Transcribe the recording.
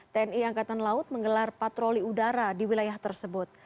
tni angkatan laut menggelar patroli udara di wilayah tersebut